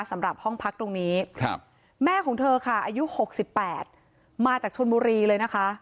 สำหรับห้องพักตรงนี้แม่ของเธอค่ะอายุ๖๘มาจากชนบุรีเลยนะคะ